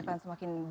akan semakin di